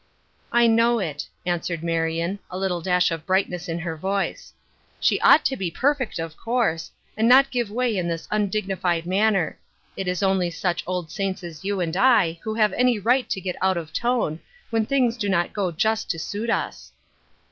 " I know it," answered Marion, a little dash of brightness in her voice. " She ought to be perfect, of course, and not give way in this undignified manner. It is only such old saints as you and I who have any right to get out of tone, when things do not go just to suit us."